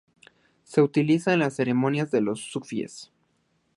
Se utiliza en las ceremonias de los sufíes.